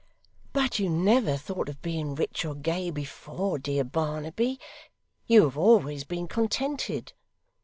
'But you never thought of being rich or gay, before, dear Barnaby. You have always been contented.